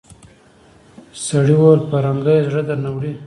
سړي وويل پرنګۍ زړه درنه وړی.